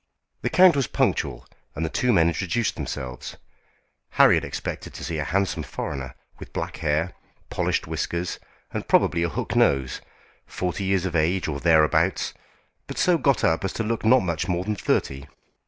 The count was punctual, and the two men introduced themselves. Harry had expected to see a handsome foreigner, with black hair, polished whiskers, and probably a hook nose, forty years of age or thereabouts, but so got up as to look not much more than thirty.